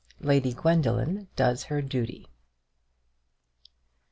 LADY GWENDOLINE DOES HER DUTY.